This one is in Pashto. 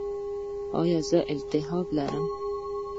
ایا زه التهاب لرم؟